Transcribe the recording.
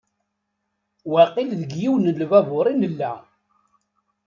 Waqil deg yiwen n lbabur i nella.